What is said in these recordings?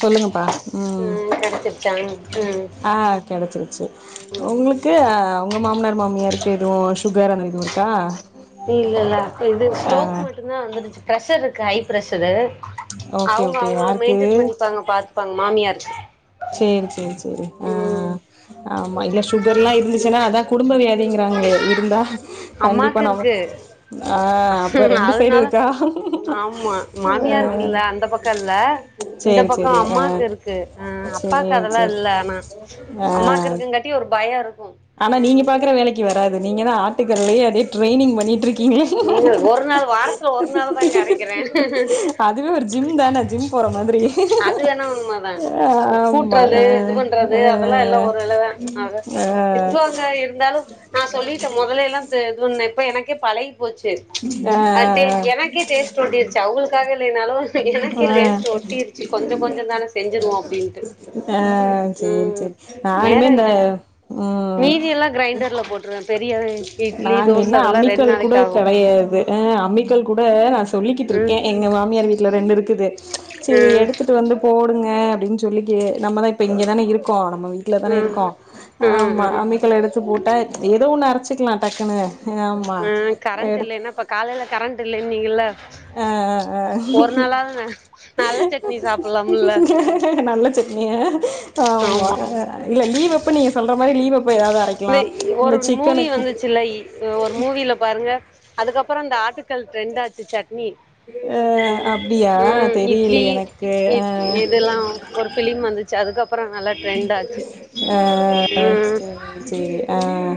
சொல்லுங்கப்பா ம் ம் ஆ கெடைச்சிருச்சு உங்ளுக்கு ஆ உங்க மாமனார் மாமியாருக்கு எது சுகர் அந்த எது இருக்கா இல்ல இல்ல இது ஆ ஸ்டோக் மட்டுந்தா வந்துருச்சு பிரஷர் ஹை பிரஷரு ஓகே அவுங்க ஓகே அவுங்கள யாருக்கு மெயின்டென் பண்ணிப்பாங்க பாத்துப்பாங்க, மாமியாருக்கு சேரி, சேரி, சேரி ஆ ஆமா இல்ல சுகர்ல்லா இருந்து ச்சினா அதா குடும்ப வியாதிங்கிறாங்களே இருந்தா கண்டிப்பா அம்மாக்கு இருக்கு நமக்கு ஆ அப்ப ரெண்டு சைடு அதனால, இருக்கா ஆமா ஆ மாமியாருக்குல்ல அந்த பக்க இல்ல இந்த சேரி பக்கோ சேரி ஆ அம்மாக்கு இருக்கு ஆ, அப்பாவுக்கு சேரி அதெல்லா சேரி இல்ல ஆனா அம்மாக்கு ஆ இருக்குங்காட்டி ஒரு பய இருக் ஆனா நீங்க பாக்குற வேலைக்கு வராது நீங்கதா ஆ ட்டுக்கல்லேயே அப்டியே ட்ரைனிங் பண்ணிட்டுருக் கிங்ளே நீங்க ஒரு நாள் வாரத்துல ஒரு நாள் தாங்க அரைக்கிறே அதுவே ஒரு ஜிம்தான ஜிம் போற மாதிரி அது வேணா உண்மதா ஆ, ஆமா, கூட்டுறது ஆ, இது பண்றது அதெல்லா எல்லா ஒரு வேலதா ஆக ஆ திட்டுவாங்க இருந்தாலு நா சொல்லிட்ட மெதல்ல எல்லா து இது பண்ண இப்ப எனக் கே பழகி ட்டு ஆ அது டே ஆ எனக்கே டேஸ்ட்டு ஒட்டிருச்சு அவுங்களுக்காக இல்லேனாலு எனக்கே டேஸ்ட்டு ஆ ஒட்டிருச்சு கொஞ்சோ கொஞ்சதான செஞ்சுருவோ அப்டின்ட்டு ஆ சேரி ம் சேரி மேற நானுமே இந்த ம் மிதியெல்லா கிரைண்டர்ல போட்ருவே பெரிய இட்லி தோச அதெல்லா ரெண் நாளைக்கு ஆகு கிடையாது அ அம்மிக்கள் கூட நஷ் ம் ட்டுஇருக்கே எங்க மாமியார் வீட்டுல ரெண்டு இருக்கு க்குது சேரி ம் எடுத்துட்டு வந்து போட ங்க அப்படின்னு சொல்லிட்டு நம்மதான் இப்ப இங்கதானே இருக்கோம் நம வீட்டுல தானே ம் இருக்கோ ம் ஆமா ம் அம்மிக்களை எடுத்து போட்டு ஏதுவும் ஒன்னு அரைச்ச கத்துக்கலாம் டக்குன்னு ஆமா ஆஹ் கரண்ட் எடுத் இல்லைன்னா இப்ப காலையில கரண்ட் இல்லைன்னா நீங்கள ஆஹ் ஆஹ் நல்ல சட்னி சாப்பிடலாம்ல ஆஹ் நல்ல சிங்க ஆமா இல்ல லீவ் நீங்க சொல்ற மாரி லீவ இந்த ஒரு மூவி வந்துச்சுல்ல ஒரு மூவில பாருங்க அதுக்கப்புறம் இந்த ஆட்டுக்கள் ட்ரெண்ட் ஆச்சு ச்சட் அ அப்டியா உஹம் தெரியல இட்லி எனக்கு அ இதெல்லாம் ஒரு பிலிம் வந்துச்சு அதுக்கப்புற ஆஹ் அஹ ம் சரி சரி ஆஹ்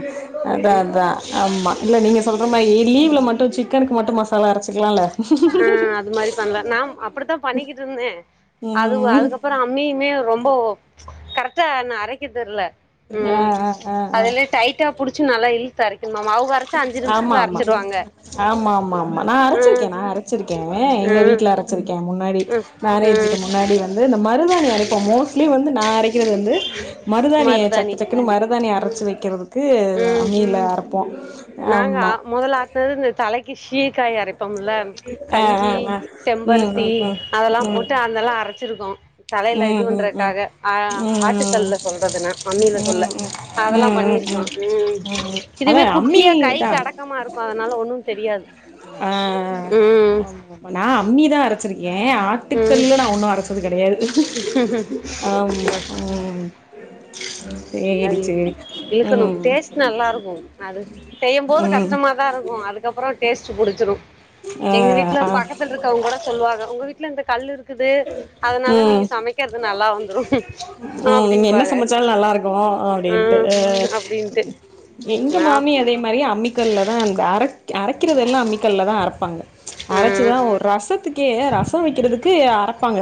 அத அதான் ஆமா இல்ல நீங்க சொல்ற மாதிரி லீவல மட்டும் சிக்கனுக்கு மட்டும் மசா ஆஹ் அது மாரி பண்ணல நான் அப்படித்தான் பண்ணிக்கிட்டு இருந்தேன் அது ம் அதுக்கப்புறம் அம்மியுமே ரொம்ப ஒ கரக்டா நான் அரக்க தெர்ல ஆ உம் ஆ ஆ ஆ அதல்லாம் டைட்டா புடிச்ச நல்லா இலுத்து அரைக் ஆமா ஆமா ஆமா ஆமா ஆமா நான் ம் அரைச்சிருக்கன் நான் அரைச்சிருக்கேன் எங்க ம் வீட்டுல அரைச்சிருக்கேன் முன்ன முன்னாடி ம் மேரேஜுக்கு ம் முன்னாடி வந்து இந்த மருதாணி அரைப்போம் மோஸ்ட்லி வந்து நான் அரைக்கிறது வந்து மருதாானிய மருதாணி சக்க சக்கனு மருதானி அரைச்சி வைக்கிறது க்கு ம் அம்மியில அரைப்போம் நாங்க அ மொதல ஆது தா லைக்கு சீக் க்காய் அரைப்போம்ல்ல ஆ ஆ கஞ்சி ஆ ம் ம் செம்பருத்தி ம் அதெல்லா ம் போட்டு அதந்தெல்லா அரைச்சிருக்கோ தலையில இது ம் ம் ம் ம் ம் பண்றதுக்காக ஆ ம் ஆட்டுக்கல்லல சொல்றதுன்ன அம்மியில சொல்ல அதெல்லா ம் ம் பண்ணியிருக்க ம் உம் ம் அதா இதுமே கூ ஃபிரியா அம்மிதா கைக்கு அடக்கமா இருக்கு அதனால ஒண்ணு தெரியாது ஆஹ் ம் ஆமா நா அம்மிதா அரைச்சிருக்கே ம் ஆட்டுக்கல்லல நா ஒன்னு அரைச்சது கெடையாது ஆமா‌ ம் உம் அது இழுக்கணு ம் டேஸ்ட் நல்லா இருக்கும் அது செய்யும்போது ம் கஷ்டமாதா இருக்கு அதுக்கப்புற டேஸ்ட் புடிச்சிடு ஆ எங்க வீட்ல ஆ பக்கத்துல இருக்கவங்க கூட சொல்லுவாங்க உங்க வீட்டுல இந்த கா ல்லுருக் இருக்குது அதனால நீங்க ம் சமைக்கறது நல்லா வந்துரு ம் நீங்க என்ன அப்படிம்பாக சமைச்சாலு நல்லா இருக்கு அப்டின்ட்டு எங்க நா மாமி அதே மாறி அம்மிக்கல்ல தா இந்த அரை அ அரைக்கறதெல்லா அம்மிக்கல்ல தா அரைப்பாங்க ம் அரைச்சுதா ஒரு ரசத்துக்கே ரசம் வைக்கிறதுக்கு அர ப்பாங்க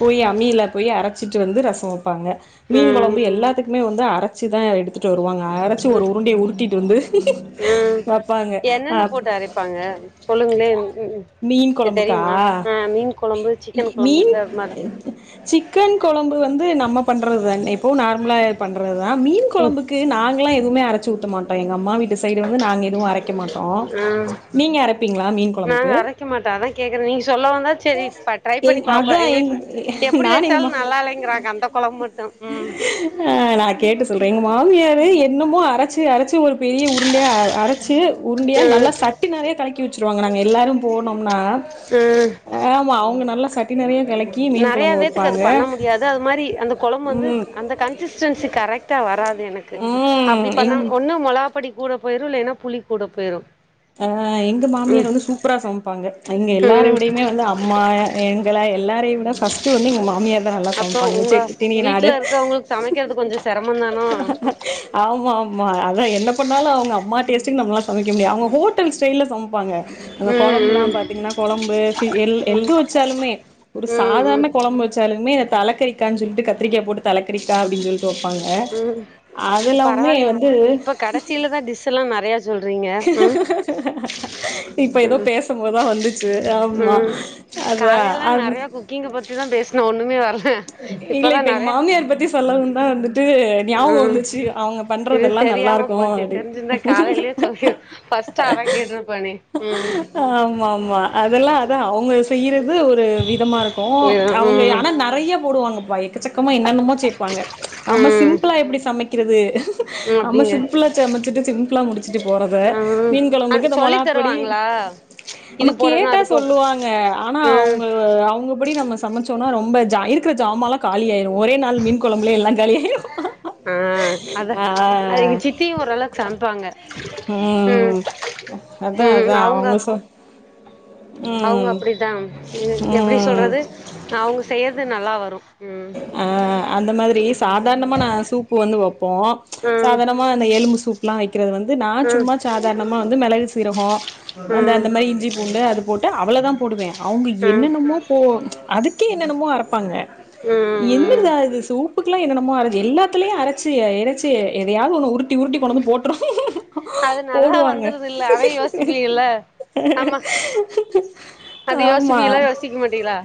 போய் அம்மில போய் அரைச்சிட்டு வந்து ரசம் வ ப்பாங்க மீன் ம் கொழம்பு எல்லாத்துக்குமே வந் அரைச்சி தா எடுத்துட்டு வருவாங்க ஒரு உருண்டைய உருட்டிட்டு வந்து உஹ் வப்பாங்க என்னென்ன அப்ப போட்டு அரைப்பாங்க சொல்லுங்களே ம் மீன் கொழம்புக்கா தெரியுமா ஆஹ் மீன் கொழம்பு சிக்கன் மீன் கொழம்புக்கு அது மாரி சிக்கன் கொ கொழம்பு வந்து நம்ம பண்றது தானே இப் எப்பவு நார்மலா பண்றதுதா மீன் ம் கொழம்புக்கு நாங்களா எதுவுமே அரைச்சு ஊத்த மாட்டோ எங்க அம்மா வீ சைடு வந்து நாங்க எதுவு அரைக்க மாட்டோ ஆ நீங்க அறைப்பீங்களா மீன் கொழம்புக்கு நாங்க அரைக்க மாட்டோ அதா கேக்குறே நீங்க சொல்லவுந்தா செரி இப்ப ட்ரை பண்ணி பாப்போ அது எங்க எங் வீட்ல எப்டி நானு எங்கமா வச்சாலு நல்லா இல்லைங்கிறாங்க அந்த கொழம்பு மட்டு ம் ஆஹ் நா கேட்டு சொல்றேங் மா மாமியாரு என்னமோ அரைச்சு அரைச்சு ஒரு பெரிய உருண்டையா அரைச்சு உருண்டையா நல்லா ம் சட்டி நெறையா கலக்க வெச்சுருவாங்க நாங்க எல்லாரு போனம் ன்னா ஆமாவ் அவங்க நல்லாஸ் சட்டி நெறைய நெறையா வேத்துக்கு அது பண்ண முடியாது அது மாரி அந்த கொழம்பு வந்து ம் அந்த கன்சிஸ்டன்சி கரெக்ட்டா வராது என கு ம் அப்டி எங் பண்ணா ஒன்னு மொளகாப்படி கூட போய்ரு இல்லேன்னா புளி கூட போயிரு அ எங்க மாமியார் ம் வந்து சூப்பரா சம்ப்பாங்க எங்க எல்லார ம் விடையுமே வந்து அம்மா எ எங்கள எ எல்லாரயு விட ஃபஸ்டு வந்து எங்க மாமியா தா நல்லா அப்போ சம்ப்பாங்க உங்க செட்டிடிணி நாடு வீட்ல இருக்கவங்களுக்கு சமைக்கிறது கொஞ்சோ செரமந்தானா ஆம்மாம்மா அதா என்ன பண்ணாலு அவுங் அம்மா டேஸ்டுக் நம்மலா சமைக்க முடியாத் அவுங்க ஹோட்டல் ஸ்டெய்ல்ல சம்ப்பாங்க அந்த கொழம்புலா ம் பாத்தீங்னா கொழம்பு ஃபி எல் ம் எது வெச்சாலுமே ஒரு ம் ம் சாதாரண கொழம் வெச்சாலுமே தலக்கரிக்கான் சொல்ட்டு கத்திரிக்கா போட்டு தலக்கரிக்கா அப்டின் சொல்ட்டு வெ உம் பரவாலியே இப் வந்து இப்ப கடசிலதா டிஸ்ஸெல்லா நறையா ஸ் இப்ப எதோ ம் பேசம்போதா வந்துச்சு ஆம்மா ம் அதான் அது மே வர இல்ல இப்ப எங்க மாமியார் பத்தி சொல்லவுந்தா வந்துட் ட்டு ஞாவகொ ம் வந்துச்சு அவுங்க இது பண்றதெல்லா தெரியாம நல்லாருக்கு போச்சு தெரிஞ்சிருந்தா அவ்டின்ட் காலையிலயே சொல்லி ஃபர்ஸ்ட் அத கேட்டிருப்பானே ம் ஆம்மாம்மா அதெல்லா அதா அவுங்க செய்யிற து ஒரு விதமா இருக்கூ ம் அவுங்க ம் ஆனா நறைய போடுவாங்கப்பா எக்க சக்கமா என்னென்னமோ சேப்பாங்க நம்ம சிம்பிளா எப்டி சமிக் கிறது ம் நம்ம அப்டிங்க சிம்புலா சமெச்சிட்டு சிம்புலா முடிச்சிட்டு போறத ம் மீன் ஆ கொழம்புக்கு இந்த சொல்லி மொளகாப்பொடி தருவாங்களா இது நம்ம போடணு கேட்டா அது போ சொல்லுவாங்க ஆனா ம் அவுங்கள்வ் அவ்ங்கபடி நம்ம சமச்சோன்ன ரொம்ப ஜா இரு க்கற ஜாமால்லா காலியாயிரு ஒரே நாள் மீன் கொழம்புளே எல்லாங் காலியாயிரு ஆஹ் அதா ஆ அ எங்க சித்தியு ஒரளவ்க் சம்ப்பாங்க உம் அத்தா அத்தா அவுங்க சொ அவுங்க ம் அப்பிடிதா உம் எப்டி ம் சொல்றது அவுங்க செய்றது நல்லா வரு ம் ஆஹ் அந்த மாதிரி சாதார்ணமா நா சூப்பு வந்து வெப்போ ப்ச் ம் சாதாணமா இந்த எலும்பு சூப்ல்லா வெ க்கிறது வந்து நா ம் சும்மா சாதார்ணமா வந்து மெளகு சி சீரகோ ம் அந்தந்த மே இஞ்சி பூண்டு அது போட் டு அவ்ளோதா போடுவே அவங்க ம் என்னென்னமோ போ அதுக்கே என்னென்னமோ அரப்பாங்க ம் ம் என்னெர்தா இது சூ புக்கெல்லா என்னமோ அரது எல்லாத்திலயும் அரச்சி எரச்சி எதயாவ்து ஒண்ணு உருட்டி உருட்டி கொண்டந்து போட்ரும் அது நல்லா வந்துருதுல்ல அவே யோசிப்பிகல்ல அத ஆமா யோசிப்பீகலா யோசிக்க மாட்டீகளா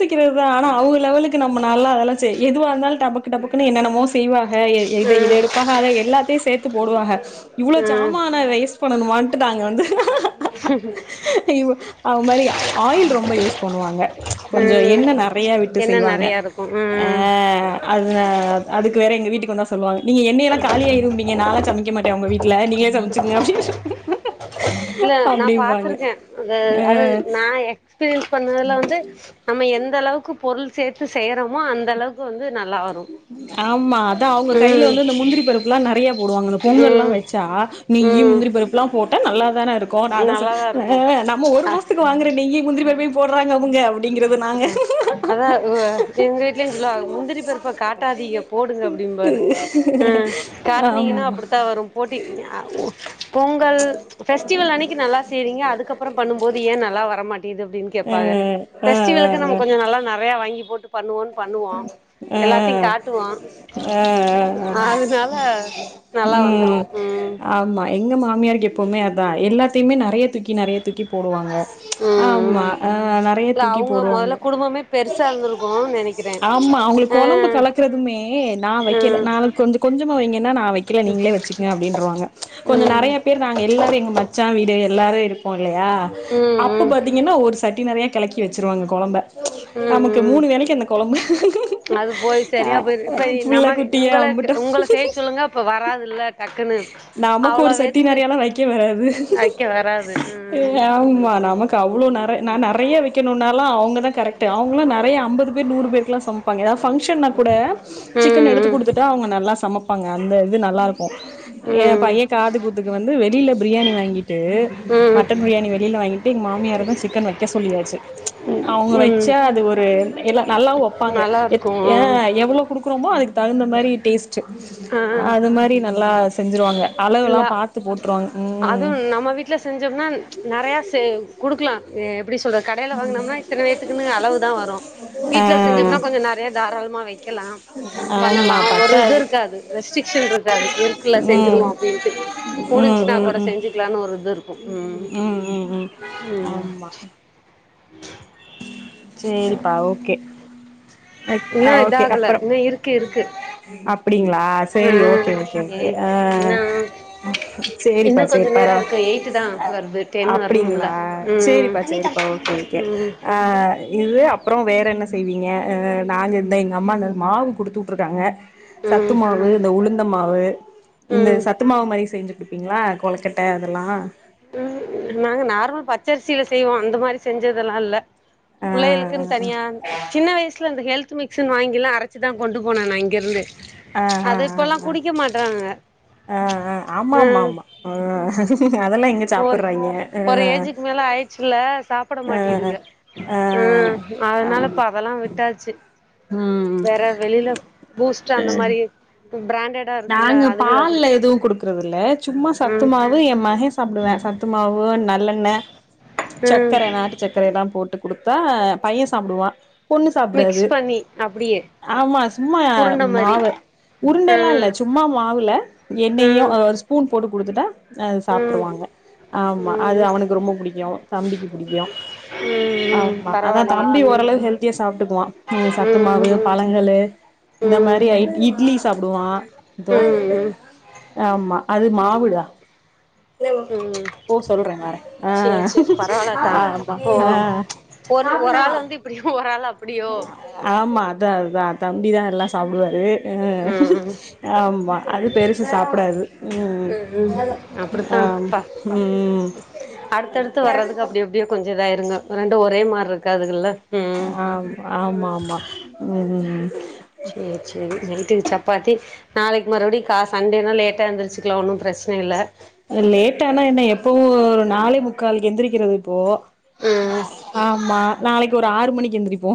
திக்கிறது தா ஆனா அவ் லெவலுக்கு நம்மனால்லா அதெல்லா செய் எதுவா இருந்தால் டபக்கு டபக்குனு என்னென்னமோ செய்வா ஹ இத இத ம் எடுப்பாக அத எல்லாத்தையு சேத் து போடுவாஹ இவ்ளோ ம் சாமான வேஸ் பண்ணணுமான்ட்டு நாங்க வந்து அவ் மாரி ஆயில் ரொம்ப யூஸ் பண்ணுவாங்க கொஞ்சோ ம் எண்ண நெறைய விட்டு என்ன செய்வாங்க நெறையா இருக்கு ஆ ம் அதுன அதுக்கு வேற எங்க வீட்டுக் வந்தா சொல்லுவாங்க நீங்க எண்ணயெலா காலியாயிரும்பீங்க நால்லா சமைக்க மாட்ட ஒங்க வீட்ல நீங்களே சமச்சுக்கங்க அப்டி இல்ல நா பாத்துருக்கே அ அத ஆ நா எக்ஸ்பீரியன்ஸ் பண்ணதுல வந்து நம்ம எந்தளவுக்கு பொருள் சேத்து செய்யறமோ அந்தளவுக் ஆமா அதா அவுங்க கைல ம் வந்து அந்த முந்திரி பருப்புலா நெறைய போடுவாங்க த பொங்கல்லா ம் வெச்சா நெய்யி ம் முந்திரி பருப்புல்லா போட் டா நல்லா தானெருக்கு நா தா ஸ நல்லாதா இருக்கு நம்ம ஒரு அ மாசத்துக்கு வாங்குற நெய்யி முந்திரி பரு ப போட்றா அவுங்க அபுடிங்கிறது நாங்க அதா உ [unintelligible] முந்திரி பருப்ப காட் காட்டாதீக போடுங்க அப்புடிம்பாரு ஆ ஆமா காட்னீங்கெனா அப்புடித்தா வரு போட்டி ஆ பொங்கல் ஃபெஸ்டிவல் அன்னிக்கி நல்லா செய்றீங்க அதுக்கப்புறோ பண்ணும்போது ஏ நல்லா வரமாட்டிது ப்டின் அ கேப்பாக அ ஃபெஸ்டிவலுக்கு நம்ம அ கொஞ்சோ நல்ல நெறையா வாங்கிபோ பண்ணுவோன் பண்ணுவா அ எல்லாத்தை காட்டுவா அ அ அ அதுனால நல்லா வந்துரு ம் மியாருக்கு எப்பவுமே அதா எல்லாத்தையுமே நெறையா தூக்கி நெறையா தூக்கி போடுவாங்க ஆமா ம் அ நெறைய இல்ல தூக்கி அவுங்க மொதல போடுவாங்க குடும்பமே பெருசாருந்திருக்கும் நெனைக்க ஆமா அவுங்களுக் கொழம்பு கலக்குறதுமே நா வெக்கெல ம் நா கொஞ்ச கொஞ்சமா வைங்கனா நா வெக்கெல நீங்களே வச்சுக்குங்க அப்டின்றுவாங்க கொஞ்ச ம் நெறைய பேர் நாங்க எல்லாரு எங்க மச்சா வீ கே எல்லாரு இருப்போ இல்லையா ம் அப்ப ம் பாத்தீங்கன்னா ஒரு ச சட்டி நிறையா கலக்கி வெச்சுருவாங்க கொழம்ப ம் நமக்கு ம் மூணு வேளைக்கு அந்த கொழம்பு அது போய் ஆ சரியா போய்ரு இப்ப புள்ள நம குட்டிய உங்களுக்கு உங்கள அம்புட்டு செய்ய சொல்லுங்க அப்ப வராதுல்ல டக்குன்னு நமக்கு அவ்ளோ ஒரு சட்டி பேத்துக்கு நெறையாலா வைக்க வராது வெக்க வராது ம் ஆமா நமக்கு அவ்ளோ நெர நா நெறையா வைக்கணுனாலு அவுங்க தான் கரெக்ட் அவுங்களா நெறைய்யா அம்பது நூறு பேருக்கெலா சமைப்பாங்க ஃபங்க்ஷன்னா கூட சிக்கன் எடுத்து ம் குடுத்துட்டா அவுங்க நல்லா சமப் ப்பாங்க அந்த இது நல்லா இருக்கு என் ம் பையன் காது குத்துக்கு வந்து வெளியில பிரியாணி வாங்கி ட்டு ம் ம் மட்டன் பிரியாணி வெளில வாங்கிட்டு எங்க மாமியாரதா சிக்கன் வைக்க சொல்லியாச்சு அவங்க ம் வெச்சா அது ஒரு எல்லா நல்லாவு வெப்பாங்க எத் நல்லாருக்கு ஏ எவ்வளோ குடு க்றோமோ அதுக் தகுந்த மாரி டேஸ்ட்டு ஆ அது மாரி நல்லா செஞ்சுருவாங்க அளவுலா பாத்து போட் அது நம்ம வீட்ல செஞ்சொம்னா நறைய செ குடுக்லா எ ப்டி சொல்றது கடைல வாங்கனோம்னா இத்தன பேத்துக்குன்னு அளவுதா வரும் ஆ வீட்ல செஞ்சம்னா கொஞ்சோ நறைய தாராளமா வெக்கலா பண்ணலா ஆமா ஒரு இது பத்தாது இருக்காது ரெஸ்ட்ரிக்ஷன் இருக்காது இருக்குல ம் செஞ்சுருவோ அப்டின்ட்டு ம் முடிஞ்ச்சுனா ம் கூட ம் செஞ்சுக்லானு ஒரு இது இருக்கு, ம், ம் ம் ம் ஆமா சேரிப்பா ஓகே ஆ, இன்னு ஓகே இதாகல அப்பறோ இன்னு இருக்கு இருக்கு அப்டிங்ளா ஆ சேரி ஓகே ஓகே ஏ ஓகே ஆ இன்னு சேரிப்பா இன்னு கொஞ்ச சேரி நேரோ பரவா இருக்கு எயிட் தா வருது டென் வரணும்ல அப்டிங்ளா ம் சேரிப்பா சேரிப்பா ஓகே ஓகே ஆ இது அப்றோ வேற என்ன செய்வீங்க ஆ நாங்க இந்த எங்க அம்மா மாவு குடுத்து வுட்ருக்காங்க சத்து ம் ம் மாவு இந்த உளுந்த மாவு [unintelligible] இந்த ம் சத்துமாவு மாரி செஞ்சு டுப்பீங்ளா கொழக்கட்ட அதெல்லா உம் நாங்க நார்மல் பச்சரிசில செய்வோ அந்த மாரி செஞ்சதெல்லால்ல ஆ புள்ளைகளுக்குன்னு தனியா சின்ன வயசு ல அந்த ஹெல்த் மிக்சின் வாங்கிலா அரச்சிதா கொண்டு போன நா இங்கேருந்து அது இப்பல்லா குடிக்க மாட்டறாங்க அஹ் அ ஹ் ஆமா ஆமா ஆமா ஆஹ் ஒரு ஒரு ஆ ஏஜுக்கு மேல ஆயிட்ச்சுல்ல சாப் சாப்புட ஆ மாட்டிதுக ஆ ம் அதனால ஆம் இப்ப அதெல்லா விட்டாச்சு ம் வேற வெளில பூஸ்ட் அந்த மாரி பிராண்டடா இருக்குல்ல நாங்க அதுகளதா பால்ல எதுவு குடுக்குறது இல்ல சும்மா சத்து ம் மாவு எ மக சாப்டுவ சத்து மாவு ந நல்லெண்ண ம் சக்கர நாட்டு சக்கர எல்லா போட் குடுத்தா பைய சாப்டுவா பொண்ணு சாப்டாது மிக்ஸ் பண்ணி அப்டியே ஆமா சும்மா உருண்ட மாரி மாவு உருண்டல்லா இல்ல ம் சும்மா மாவுல எண்ணெயு ம் அ ஸ்பூன் போட்டு குடுத்துட்டா அ ம் சாப்டுருவாங்க ஆமா அது ம் ம் அவனுக்கு ரொம்ப புடிக்கு தம்பிக்கு புடிக்கு ம் ஆமா அதா பரவாயில்லையே தம்பி ம் ம் ஓரளவு ஹெல்தியா சாப்ட்டுக்குவா சத்து மாவு ம் பழங்களு இந்த ம் ம் மாரி இட்லி சாப்டுவா தோ ம் ஆமா அது மாவுடா ம் ஓ சொல்றே‌ வார ஆ சேரி சேரி பரவாயில்லத்தா ஆமா ஓ ஆ முடியோ ஆமா அதா அதா தம்பிதா எல்லா சாப்டுவாரு அ ம் ம் ஆம்மா அது பெருசு சாப்டாது ம் ம் அப்டித்தா ஆம் பா ம் அடுத்தடுத்து வர்றதுக்கு அப்டி அப்டியே கொஞ்சோ இதாயிருங்க ரெண்டு ஒரே மாரி இருக்காதுங்கல்ல ஆ ஆமா ஆமா ம் சேரி சேரி நைட்டுக்கு சப்பா தி நாளைக்கு மறுபடி கா சண்டேனா லேட்டா எந்திருச்சுக்கலா ஒன்னு பிரச்சன இல்ல த லேட்டா ஆனா என்ன எப் பவு ஒரு நாளேமுக்கால்க்கு எந்திரிக்கிறது இப்போ ம் ஆமா நாளைக் கு ஒரு ஆறு மணிக்கு எந்திரிப்போ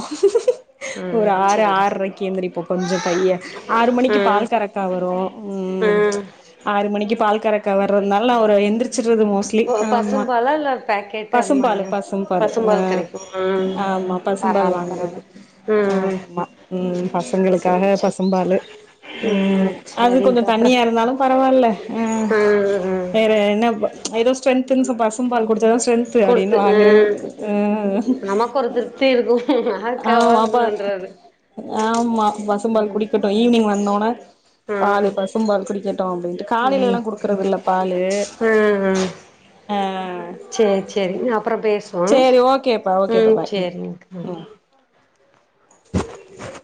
ஒரு ம் ஆறு சேரி ஆற்ரைக்கு எந்திரிப்போ கொஞ்ச பைய ஆறு மணிக்கு ம் பால் கரக்கா வரு உம் ம் ஆறு மணிக்கு கறக்க வர்றனால அவர் எந்திரிச் வச்சிறது மோஸ்லி ஆமா பசும்பாலா இல்ல பேக்கெட்டு அந்த பசும்பாலு மாரியா பசும்பாலு அ பசும்பால் கெடைக்கு ம் ஆமா பசும்பாலு பரவால்ல வாங்கர்து பரவால்ல ம் ஆமா ம் பசங்களுக்காக சேரி சேரி பசும்பாலு ம் அது கொஞ்ச சரிங்க்கா அப்றோ தண்ணியா இருந்தாலு பரவால்ல அ ம் ம் வேற என்ன ப ஏதோ ஸ்ட்ரென்த்ன் சொ பசும்பால் கொடுத் த ஸ்ட்ரென்து அடின்னு குடுத்து வாங்குறது ம் உம் ம் நமக்கு ஒரு ம் திருப்தி இருக்கு ஆமாப்பா யாருக்காவதுன்றது ஆமா பசும்பால் ம் குடிக்கட்டு ஈவினிங் வந்தோனே ம் பாலு பசும்பால் குடிக்கட்டு அப்டின்ட்டு காலையில எல்லா ம் குடுக்கறது இல்ல பாலு ம் ம் ஆ சேரி சேரி [unintelligible] அப்றோ பேஸ்வோ சேரி ஓகேப்பா ஓகேப்பா ம் பாய் செரிங்க அ கேக்குதா